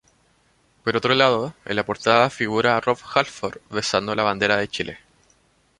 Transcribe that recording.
Por otro lado, en la portada figura Rob Halford besando la bandera de Chile.